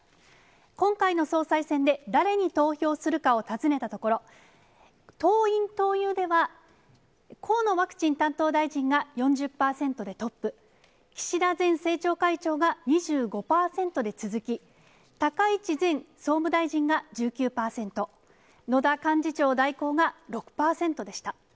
今回の総裁選で誰に投票するかを尋ねたところ、党員・党友では、河野ワクチン担当大臣が４０％でトップ、岸田前政調会長が２５％で続き、高市前総務大臣が１９％、野田幹事長代行が６％でした。